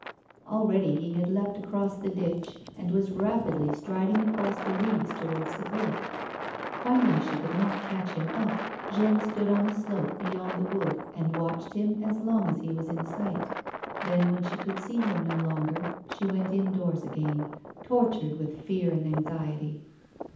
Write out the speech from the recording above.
Already he had leapt across the ditch, and was rapidly striding across the reeds towards the cliff. Finding she could not catch him up, Jeanne stood on the slope beyond the wood, and watched him as long as he was in sight ; then, when she could see him no 184 A WOMAN'S LIFE. longer, she went indoors again, tortured with fear and anxiety.